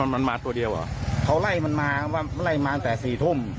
มันมาตัวเดียวเหรอเขาไล่มันมาว่ามันไล่มาตั้งแต่สี่ทุ่ม